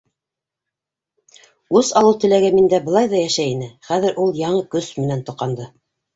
Үс алыу теләге миндә былай ҙа йәшәй ине: хәҙер ул яңы көс менән тоҡанды.